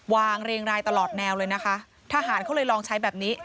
เรียงรายตลอดแนวเลยนะคะทหารเขาเลยลองใช้แบบนี้